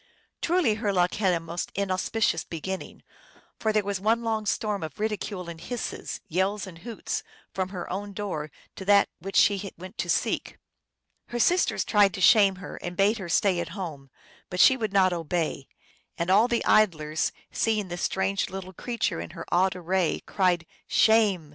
Truly her luck had a most inauspicious beginning, for there was one long storm of ridicule and hisses, yells and hoots, from her own door to that which she went to seek. Her sisters tried to shame her, and bade her stay at home, but she would not obey ; and all the idlers, seeing this strange little creature in her odd array, cried, " Shame